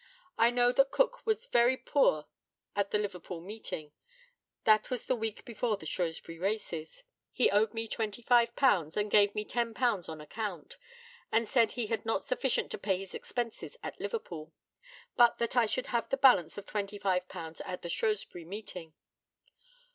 I know that Cook was very poor at the Liverpool meeting. That was the week before the Shrewsbury races. He owed me £25, and gave me £10 on account, and said he had not sufficient to pay his expenses at Liverpool, but that I should have the balance of £25 at the Shrewsbury meeting.